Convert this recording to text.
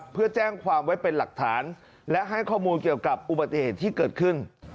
เพื่อแจ้งความไว้เป็นหลักฐานและให้ข้อมูลเกี่ยวกับอุบัติเหตุที่เกิดขึ้น